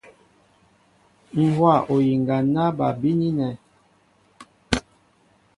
Ŋ̀ hówa oyiŋga ná bal bínínɛ̄.